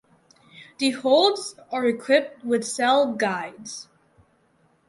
The holds are equipped with cell guides.